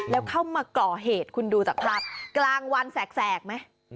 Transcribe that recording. แล้วเข้ามาก่อเหตุคุณดูจากภาพกลางวันแสกไหม